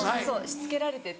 しつけられてて。